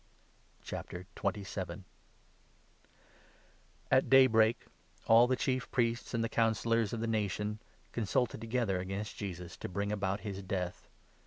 The End of At daybreak all the Chief Priests and the Coun i Judas. cillors of the Nation consulted together against Jesus, to bring about his death.